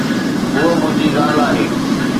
ھوءَ منھنجي زال آھي.